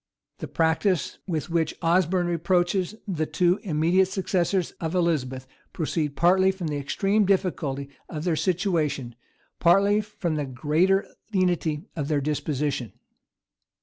[*] The practice with which Osborne reproaches the two immediate successors of Elizabeth, proceeded partly from the extreme difficulty of their situation, partly from the greater lenity of their disposition.